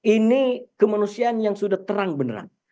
ini kemanusiaan yang sudah terang benerang